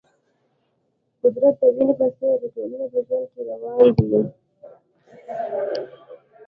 قدرت د وینې په څېر د ټولنې په ژوند کې روان دی.